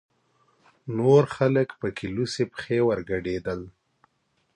نور خلک پکې لوڅې پښې ورګډېدل.